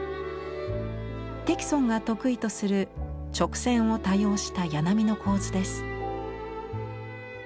荻が得意とする直線を多用した家並みの構図です。